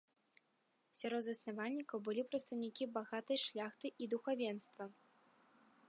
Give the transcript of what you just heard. Сярод заснавальнікаў былі прадстаўнікі багатай шляхты і духавенства.